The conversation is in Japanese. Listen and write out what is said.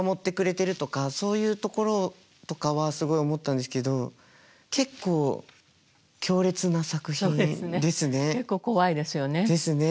そういうところとかはすごい思ったんですけど結構強烈な作品ですね。